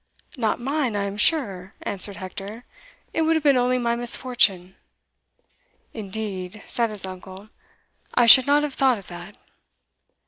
"Not mine, I am sure," answered Hector; "it would have been only my misfortune." "Indeed!" said his uncle, "I should not have thought of that."